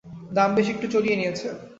দাম বেশ-একটু চড়িয়ে নিয়েছে।